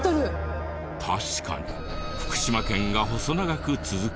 確かに福島県が細長く続き。